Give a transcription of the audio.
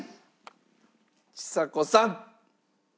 ちさ子さん！